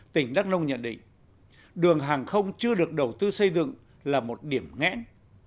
tỉnh đắk nông nhận định đường hàng không chưa được đầu tư xây dựng là một điểm nghẽn